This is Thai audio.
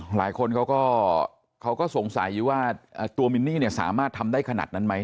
หลายคนเขาก็สงสัยอยู่ว่าตัวมินนี่สามารถทำได้ขนาดนั้นไหม